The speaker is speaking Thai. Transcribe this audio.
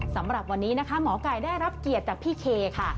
สำหรับวันนี้นะคะหมอไก่ได้รับเกียรติจากพี่เคค่ะ